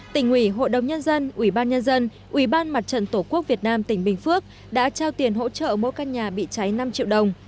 tỉnh ủy hội đồng nhân dân ủy ban nhân dân ủy ban mặt trận tổ quốc việt nam tỉnh bình phước đã trao tiền hỗ trợ mỗi căn nhà bị cháy năm triệu đồng